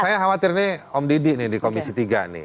saya khawatir nih om didi nih di komisi tiga nih